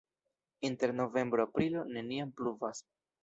Inter novembro-aprilo neniam pluvas.